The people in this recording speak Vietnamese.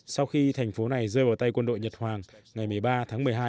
sau khi thành phố này rơi vào tay quân đội nhật hoàng ngày một mươi ba tháng một mươi hai